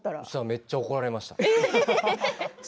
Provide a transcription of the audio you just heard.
めっちゃ怒られました。